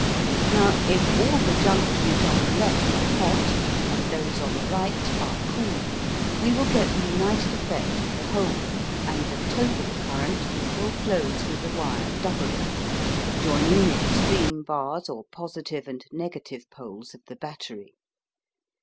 Now, if all the junctions on the left are hot and those on the right are cool, we will get the united effect of the whole, and the total current will flow through the wire W, joining the extreme bars or positive and negative poles of the battery.